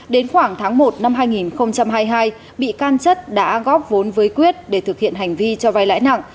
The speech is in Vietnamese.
đến khoảng tháng một năm hai nghìn hai mươi hai bị can chất đã góp vốn với quyết để thực hiện hành vi cho vay lãi nặng